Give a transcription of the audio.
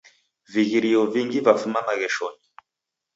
Vighirio vingi vafuma magheshonyi.